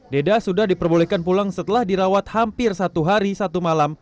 deda sudah diperbolehkan pulang setelah dirawat hampir satu hari satu malam